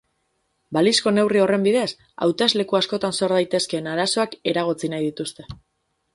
Balizko neurri horren bidez, hautesleku askotan sor daitezkeen arazoak eragotzi nahi dituzte.